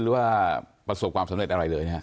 หรือว่าประสบความสำเร็จอะไรเลย